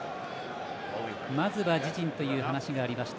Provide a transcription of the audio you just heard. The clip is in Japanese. まずは自陣という話がありました。